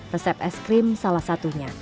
resep es krim salah satunya